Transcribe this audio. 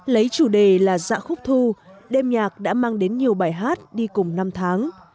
lấy chủ đề là dạ khúc thu đêm nhạc đã mang đến nhiều bài hát đi cùng năm tháng